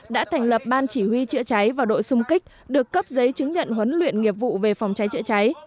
đã thành lập ban chỉ huy chữa cháy và đội xung kích được cấp giấy chứng nhận huấn luyện nghiệp vụ về phòng cháy chữa cháy